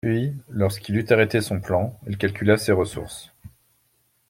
Puis, lorsqu'il eut arrêté son plan, il calcula ses ressources.